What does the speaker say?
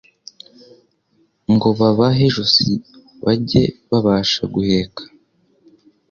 ngo babahe ijosi bajye babasha guheka.